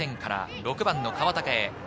６番・川竹。